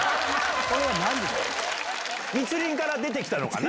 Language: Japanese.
密林から出て来たのかな？